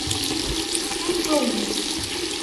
ให้กลุ่ม